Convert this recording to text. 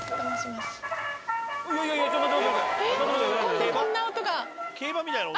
えっこんな音が。